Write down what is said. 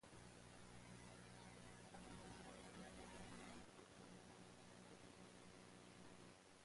It was the second appearance of the middle heavyweight class.